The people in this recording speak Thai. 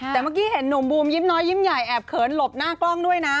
แต่เมื่อกี้เห็นหนุ่มบูมยิ้มน้อยยิ้มใหญ่แอบเขินหลบหน้ากล้องด้วยนะ